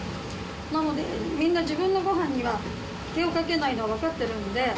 なので、みんな自分のごはんには手をかけないの分かってるんで。